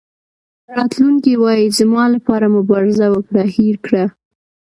راتلونکی وایي زما لپاره مبارزه وکړه هېر کړه.